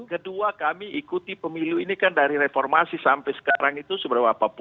kedua kami ikuti pemilu ini kan dari reformasi sampai sekarang itu seberapa